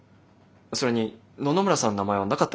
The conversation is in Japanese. それに野々村さんの名前はなかったですし。